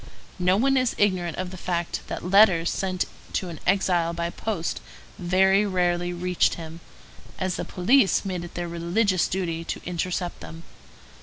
No one is ignorant of the fact that letters sent to an exile by post very rarely reached him, as the police made it their religious duty to intercept them.